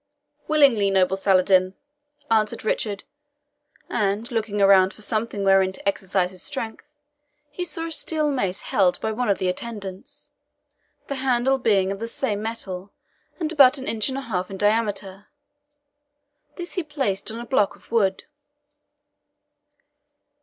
"Willingly, noble Saladin," answered Richard; and looking around for something whereon to exercise his strength, he saw a steel mace held by one of the attendants, the handle being of the same metal, and about an inch and a half in diameter. This he placed on a block of wood.